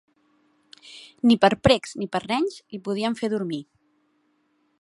Ni per precs ni per renys li podien fer dormir.